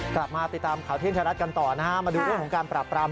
กลับมาติดตามขาวที่อย่างอินทรรัฐกันต่อมาดูเรื่องของการปรับปราบ